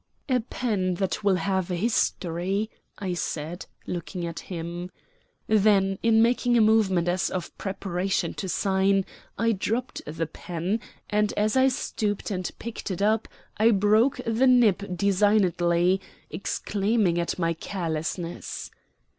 "A pen that will have a history," I said, looking at him. Then in making a movement as of preparation to sign I dropped the pen, and as I stooped and picked it up I broke the nib designedly, exclaiming at my carelessness.